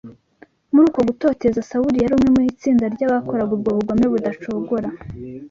Muri uko gutoteza, Sawuli yari umwe mu itsinda ry’abakoraga ubwo bugome badacogora.